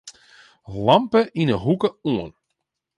Lampe yn 'e hoeke oan.